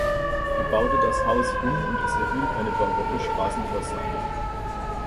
Er baute das Haus um und es erhielt eine barocke Straßenfassade.